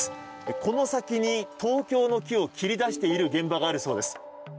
この先に東京の木を切り出している現場があるそうです。